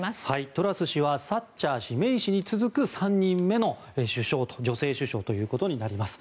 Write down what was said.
トラス氏はサッチャー氏、メイ氏に続く３人目の女性首相ということになります。